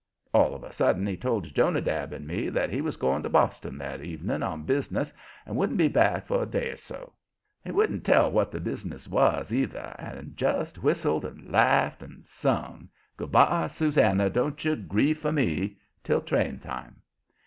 All of a sudden he told Jonadab and me that he was going up to Boston that evening on bus'ness and wouldn't be back for a day or so. He wouldn't tell what the bus'ness was, either, but just whistled and laughed and sung, "Good by, Susannah; don't you grieve for me," till train time.